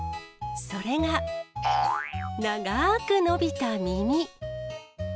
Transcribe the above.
それが、ながーく伸びた耳。